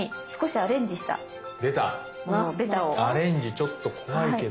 アレンジちょっと怖いけど。